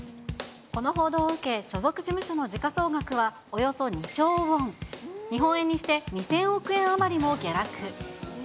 この報道を受け、所属事務所の時価総額はおよそ２兆ウォン、日本円にして２０００億円余りも下落。